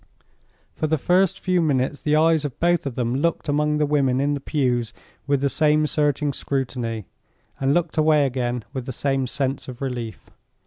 For the first few minutes, the eyes of both of them looked among the women in the pews with the same searching scrutiny, and looked away again with the same sense of relief.